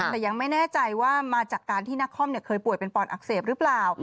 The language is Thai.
แต่ยังไม่แน่ใจว่ามาจากการที่นักคอมเคยป่วยเป็นปอดอักเสบหรือเปล่า